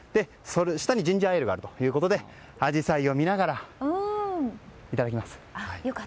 下にジンジャーエールがあるということでアジサイを見ながらいただきます。